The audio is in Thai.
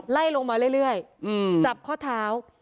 ไล่ลงมาเรื่อยเรื่อยอืมจับข้อเท้า